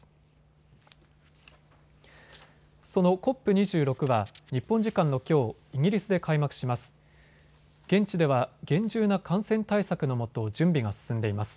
２６は日本時間のきょう、イギリスで開幕します。